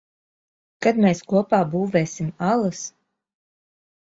Kad mēs kopā būvēsim alas?